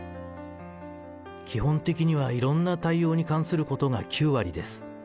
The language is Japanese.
基本的にはいろんな対応に関することが９割です。